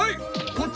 こっち！